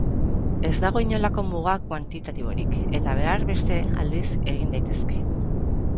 Ez dago inolako muga kuantitatiborik, eta behar beste aldiz egin daitezke.